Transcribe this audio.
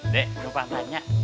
dek gua mau tanya